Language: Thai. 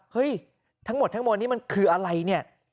เฮ้ยทั้งหมดทั้งมวลนี้มันคืออะไรเนี่ย